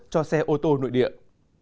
trong các loại trang sức bằng vàng